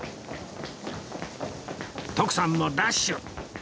徳さんもダッシュ！